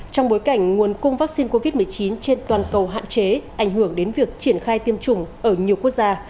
trong bối cảnh nguồn cung vaccine covid một mươi chín trên toàn cầu hạn chế ảnh hưởng đến việc triển khai tiêm chủng ở nhiều quốc gia